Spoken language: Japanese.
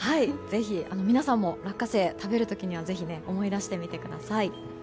皆さんも落花生食べる時ぜひ思い出してみてください。